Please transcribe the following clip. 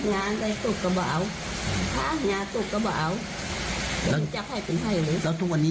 ยาววชาติ